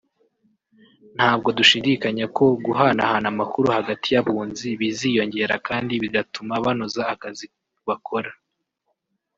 ntabwo dushidikanya ko guhanahana amakuru hagati y’Abunzi biziyongera kandi bigatuma banoza akazi bakora